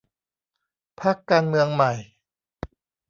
พรรคการเมืองใหม่